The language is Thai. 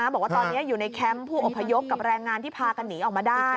บอกว่าตอนนี้อยู่ในแคมป์ผู้อพยพกับแรงงานที่พากันหนีออกมาได้